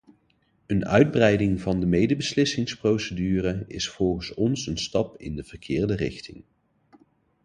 Een uitbreiding van de medebeslissingsprocedure is volgens ons een stap in de verkeerde richting.